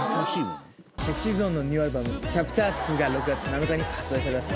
ＳｅｘｙＺｏｎｅのニューアルバム『Ｃｈａｐｔｅｒ』６月７日に発売されます。